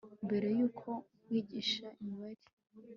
mbere yuko nkwigisha imibare